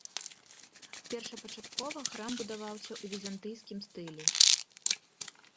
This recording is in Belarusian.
Першапачаткова храм будаваўся ў візантыйскім стылі.